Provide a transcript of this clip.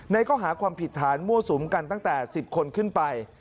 ข้อหาความผิดฐานมั่วสุมกันตั้งแต่๑๐คนขึ้นไป